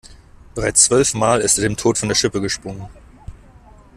Bereits zwölf Mal ist er dem Tod von der Schippe gesprungen.